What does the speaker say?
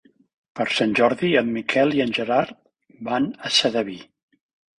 Per Sant Jordi en Miquel i en Gerard van a Sedaví.